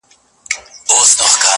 لمبه دي نه کړم سپیلنی دي نه کړم ,